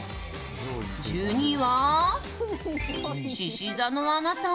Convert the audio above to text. １２位は、しし座のあなた。